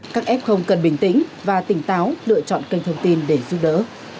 các f cần bình tĩnh và tỉnh táo lựa chọn kênh thông tin để giúp đỡ